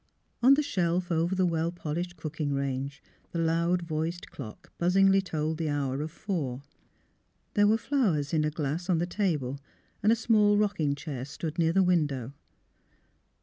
On the shelf over the well polished cooking range the loud voiced clock buzzingly told the hour of four. There were flowers in a glass on the table, and a small rocking chair stood near the window.